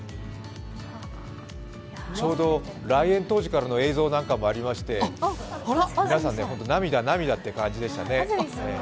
来園当時からの映像などもありまして、皆さん本当に涙、涙っていう感じでしたね。